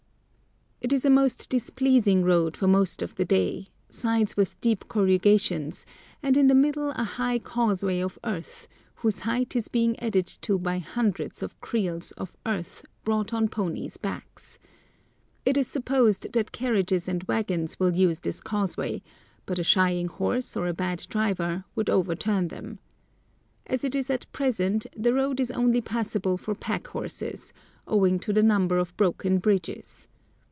It is a most displeasing road for most of the way; sides with deep corrugations, and in the middle a high causeway of earth, whose height is being added to by hundreds of creels of earth brought on ponies' backs. It is supposed that carriages and waggons will use this causeway, but a shying horse or a bad driver would overturn them. As it is at present the road is only passable for pack horses, owing to the number of broken bridges.